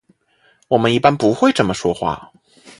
我们一般不会这么说话。